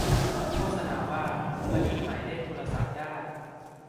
โฆษณาว่า บันทึกหมายเลขโทรศัพท์ได้